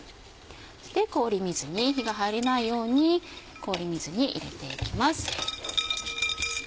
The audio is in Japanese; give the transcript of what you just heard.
そして火が入らないように氷水に入れていきます。